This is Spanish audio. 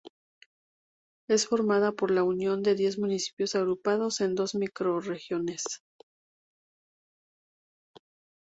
Es formada por la unión de diez municipios agrupados en dos microrregiones.